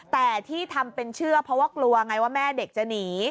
แต่ที่ทำเป็นเชื่อเพราะว่ากลัวไงว่าแม่เด็กจะหนี